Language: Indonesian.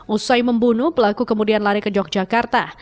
usai membunuh pelaku kemudian lari ke yogyakarta